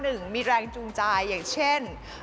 หนึ่งมีแรงจูงใจอย่างเช่น